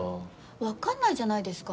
わかんないじゃないですか。